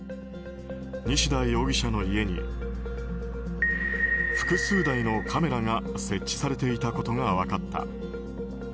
西田容疑者の家に複数台のカメラが設置されていたことが分かった。